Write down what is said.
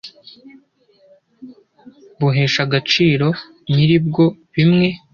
b u h e s h a a g a ciro n yira bwo Bimwe